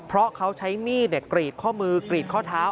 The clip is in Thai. เราใช้นี่เนี่ยกรีดข้อมือกรีดข้อเท้า